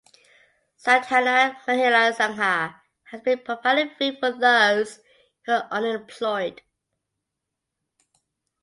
Sadhana Mahila Sangha has been providing food for those who are unemployed.